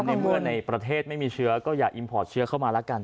ในเมื่อในประเทศไม่มีเชื้อก็อย่าอิมพอร์ตเชื้อเข้ามาแล้วกัน